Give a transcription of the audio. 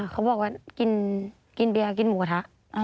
เขาบอกว่ากินเบียร์กินหมูกระทะ